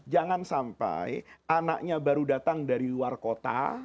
jangan sampai anaknya baru datang dari luar kota